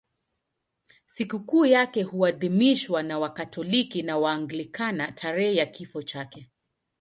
Sikukuu yake huadhimishwa na Wakatoliki na Waanglikana tarehe ya kifo chake.